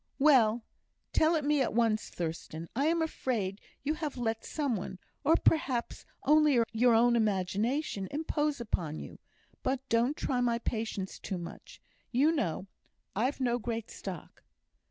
"Well, tell it me at once, Thurstan. I am afraid you have let some one, or perhaps only your own imagination, impose upon you; but don't try my patience too much; you know I've no great stock."